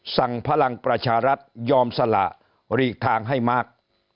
พลังประชารัฐยอมสละหลีกทางให้มาก